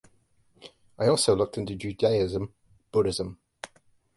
I also looked into Judaism, Buddhism